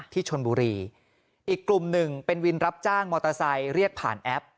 ที่ชนบุรีอีกกลุ่มหนึ่งเป็นวินรับจ้างมอเตอร์ไซค์เรียกผ่านแอป